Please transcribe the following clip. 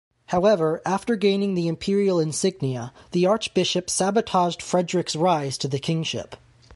However, after gaining the imperial insignia, the archbishop sabotaged Frederick's rise to the kingship.